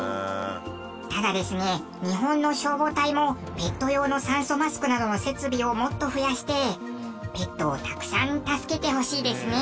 ただですね、日本の消防隊もペット用の酸素マスクなどの設備をもっと増やしてペットをたくさん助けてほしいですね。